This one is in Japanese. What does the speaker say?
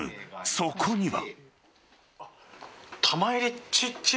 そこには。